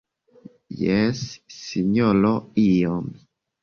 Jes, Sinjoro, iom.